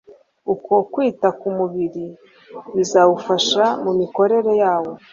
Uko kwita ku mubiri bizawufasha mu mikorere yawo